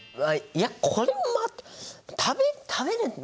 いやこれは食べ食べる。